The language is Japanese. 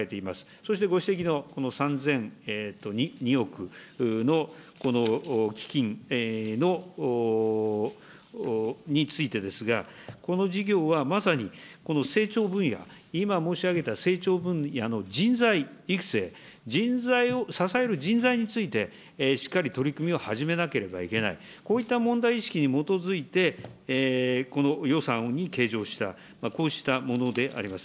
そしてご指摘のこの３００２億のこの基金の、についてですが、この事業はまさに成長分野、今申し上げた成長分野の人材育成について、人材を、支える人材について、しっかり取り組みを始めなければいけない、こういった問題意識に基づいてこの予算に計上した、こうしたものであります。